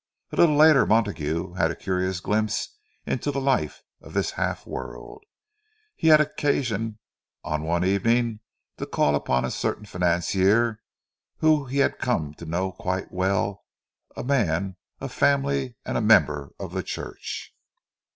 A little later Montague had a curious glimpse into the life of this "half world." He had occasion one evening to call up a certain financier whom he had come to know quite well—a man of family and a member of the church.